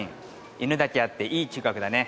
犬だけあっていい嗅覚だね